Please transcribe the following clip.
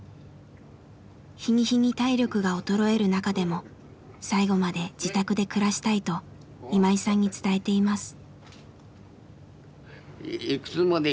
日に日に体力が衰える中でも最期まで自宅で暮らしたいと今井さんに伝えています。